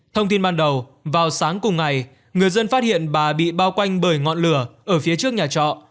thông tin ban đầu vào sáng cùng ngày người dân phát hiện bà bị bao quanh bởi ngọn lửa ở phía trước nhà trọ